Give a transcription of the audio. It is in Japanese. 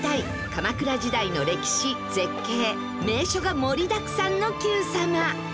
鎌倉時代の歴史・絶景・名所が盛りだくさんの『Ｑさま！！』。